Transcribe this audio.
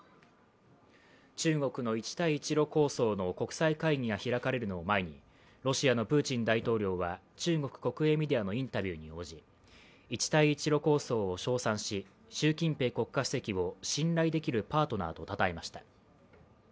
中国の一帯一路構想の国際会議が開かれるのを前にロシアのプーチン大統領は中国国営メディアのインタビューに応じ一帯一路構想を称賛し、習近平国家主席を信頼できるパートナーとたたえました。